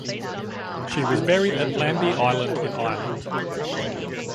She was buried at Lambay Island in Ireland.